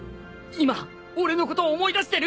今俺のこと思い出してる！？